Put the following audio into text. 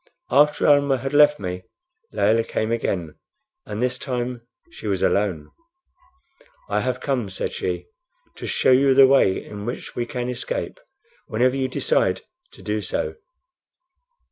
After Almah had left me, Layelah came again, and this time she was alone. "I have come," said she, "to show you the way in which we can escape, whenever you decide to do so."